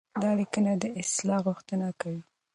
دا ليکنه د اصلاح غوښتنه کوي.